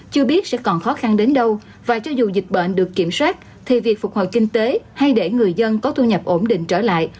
chưa biết sẽ còn khó khăn đến đâu và cho dù dịch bệnh được kiểm soát thì việc phục hồi kinh tế hay để người dân có thu nhập ổn định trở lại